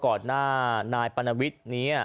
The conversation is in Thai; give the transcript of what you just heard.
ข่าวหน้ารักนายพันวิทยุครับ